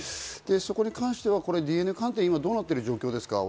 そこに関してはＤＮＡ鑑定がどうなってる状況ですか？